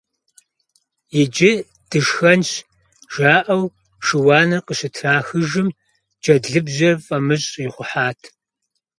Иджы дышхэнщ! - жаӀэу шыуаныр къыщытрахыжым, джэдлыбжьэр фӀамыщӀ ихъухьат.